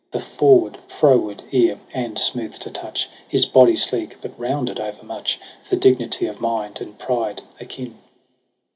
The forward, froward ear, and smooth to touch His body sleek, but rounded overmuch For dignity of mind and pride akin.